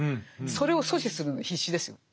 それを阻止するのに必死ですよね。